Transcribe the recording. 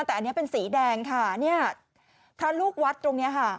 แต่อันนี้เป็นสีแดงค่ะเนี่ยพระลูกวัดตรงเนี้ยค่ะ